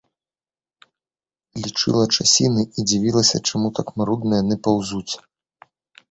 Лічыла часіны і дзівілася, чаму так марудна яны паўзуць.